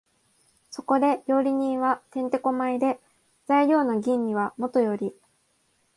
そこで料理人は転手古舞で、材料の吟味はもとより、